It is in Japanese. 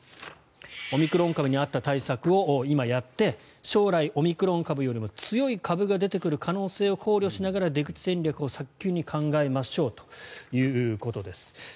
オミクロン株に合った対策を今、やって将来、オミクロン株よりも強い株が出てくる可能性を考慮しながら出口戦略を早急に考えましょうということです。